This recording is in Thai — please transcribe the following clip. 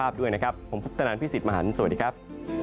สวัสดีครับ